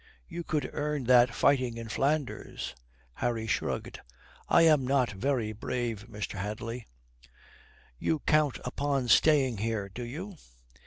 "You could earn that fighting in Flanders." Harry shrugged. "I am not very brave, Mr. Hadley." "You count upon staying here, do you?"